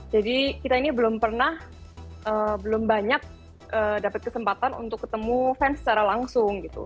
jadi kita ini belum pernah belum banyak dapat kesempatan untuk ketemu fans secara langsung gitu